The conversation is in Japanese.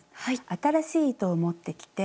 新しい糸を持ってきて。